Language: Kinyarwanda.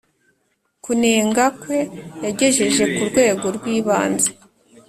kunenga kwe yagejeje ku rwego rw ibanze